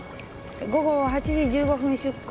午後８時１５分出航